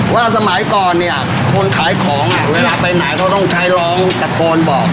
ว่าสมัยก่อนเนี่ยคนขายของอ่ะเวลาไปไหนเขาต้องขายร้องกับคนบอก